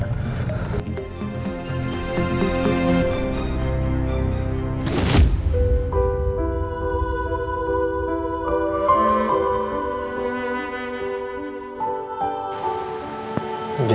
perintahnya sangat baik